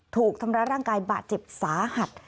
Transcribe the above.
ถูกทำร้ายร่างกายบาดเจ็บสาหัส